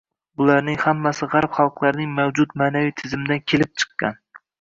– bularning hammasi g‘arb xalqlarining mavjud ma’naviy tizimidan kelib chiqqan